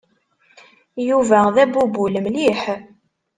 Yuba d abubul mliḥ.